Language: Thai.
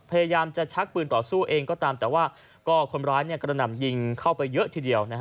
พยายามจะชักปืนต่อสู้เองก็ตามแต่ว่าก็คนร้ายกระหน่ำยิงเข้าไปเยอะทีเดียว